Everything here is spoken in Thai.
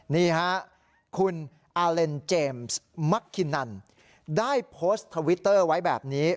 นี่ฮะคุณอาเลนเจมส์มักคินันได้โพสต์ทวิตเตอร์ไว้แบบนี้